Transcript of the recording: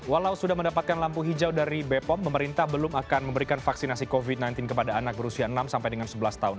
walau sudah mendapatkan lampu hijau dari bepom pemerintah belum akan memberikan vaksinasi covid sembilan belas kepada anak berusia enam sampai dengan sebelas tahun